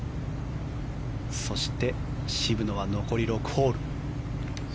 そして、渋野は残り６ホール。